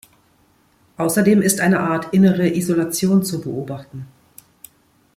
Außerdem ist eine Art innere Isolation zu beobachten.